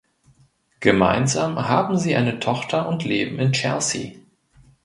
Gemeinsam haben sie eine Tochter und leben in Chelsea.